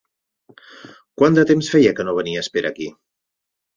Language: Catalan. Quant de temps feia que no venies per aquí?